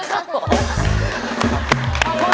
ขอบคุณครับขอบคุณครับขอบคุณครับ